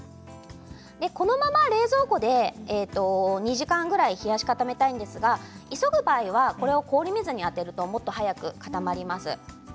このまま冷蔵庫で２時間ぐらい冷やし固めたいんですが急ぐ場合はこれを氷水に当てるともっと早く固まります。